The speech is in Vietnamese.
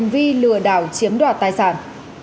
vì lừa đảo chiếm đoạt tài sản